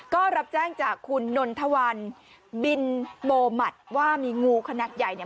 ก็รับแจ้งจากคุณนนทวันบินโบมัติว่ามีงูขนาดใหญ่เนี่ย